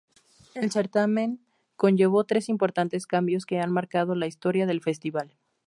El certamen conllevó tres importantes cambios que han marcado la historia del festival.